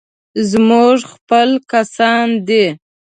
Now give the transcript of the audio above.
زموږ خپل کسان دي.